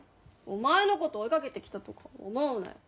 お前のこと追いかけてきたとか思うなよ。